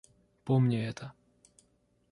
Помни это.